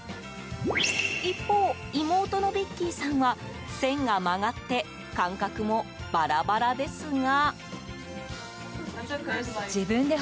一方、妹のヴィッキーさんは線が曲がって間隔もバラバラですが。